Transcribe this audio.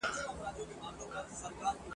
زه دي نه پرېږدم ګلابه چي یوازي به اوسېږې ..